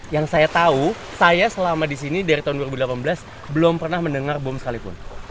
yang saya tahu saya selama di sini dari tahun dua ribu delapan belas belum pernah mendengar bom sekalipun